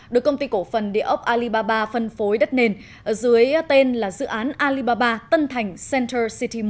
được công ty cổ phần địa ốc alibaba phân phối đất nền dưới tên là dự án alibaba tân thành central city một